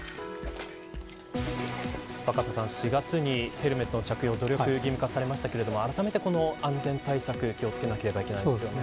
若狭さん、４月にヘルメットの着用が努力義務化されましたがあらためて安全対策気を付けなければいけないですよね。